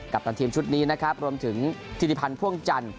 กับท่านทีมชุดนี้นะครับรวมถึงธีรภัณฑ์พ่วงจันทร์